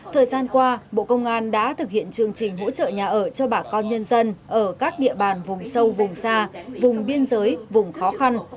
thời gian qua bộ công an đã thực hiện chương trình hỗ trợ nhà ở cho bà con nhân dân ở các địa bàn vùng sâu vùng xa vùng biên giới vùng khó khăn